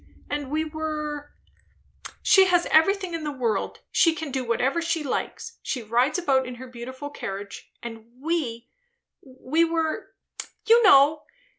and we were She has everything in the world; she can do whatever she likes; she rides about in her beautiful carriage; and we we were you know!